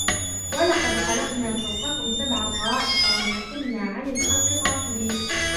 ولقد خلقنا فوقكم سبع طرائق وما كنا عن الخلق غافلين